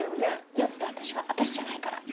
酔った私は私じゃないから。